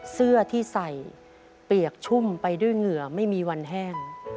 เสื้อที่ใส่เปียกชุ่มไปด้วยเหงื่อไม่มีวันแห้ง